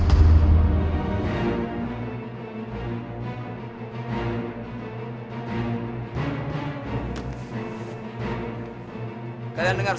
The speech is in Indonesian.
ada di mana sendiri